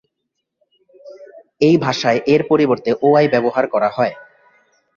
এই ভাষায় এর পরিবর্তে "ওআই" ব্যবহার করা হয়।